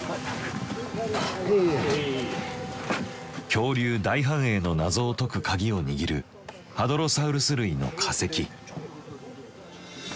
恐竜大繁栄の謎を解く鍵を握るハドロサウルス類の化石。